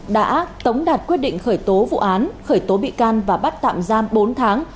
đã tống đạt quyết định khởi tố vụ án khởi tố bị can và bắt tạm giam bốn tháng